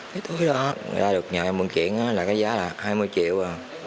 cái túi đó người ta được nhà em vận chuyển là cái giá là hai mươi triệu